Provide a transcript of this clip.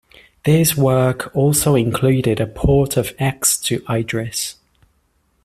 This work also included a port of X to Idris.